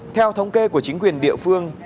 theo thống kê của chính quyền địa phương